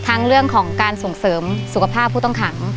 เรื่องของการส่งเสริมสุขภาพผู้ต้องขัง